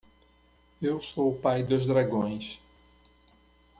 Eu sou o pai dos dragões.